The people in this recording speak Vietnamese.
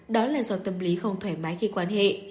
đó là do tâm lý không thoải mái khi quan hệ